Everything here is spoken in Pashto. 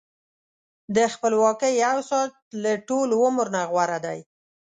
د خپلواکۍ یو ساعت له ټول عمر نه غوره دی.